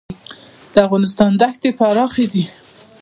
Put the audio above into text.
د افغانستان دښتې پراخې دي